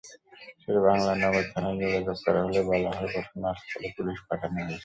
শেরেবাংলা নগর থানায় যোগাযোগ করা হলে বলা হয়, ঘটনাস্থলে পুলিশ পাঠানো হয়েছে।